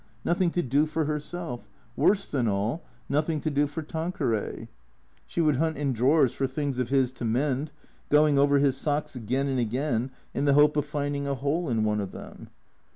N"othing to do for herself ; worse than all, noth ing to do for Tanqueray. She would hunt in drawers for things of his to mend, going over his socks again and again in the hope of finding a hole in one of them.